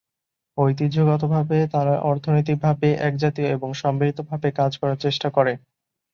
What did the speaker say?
ঐতিহ্যগতভাবে তারা অর্থনৈতিকভাবে একজাতীয় এবং সম্মিলিতভাবে কাজ করার চেষ্টা করে।